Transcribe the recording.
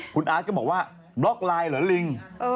คุณอาร์ตก็บอกว่าบล็อกไลน์เหรอลิง